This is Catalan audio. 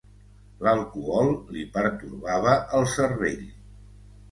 L'alcohol li pertorbava el cervell.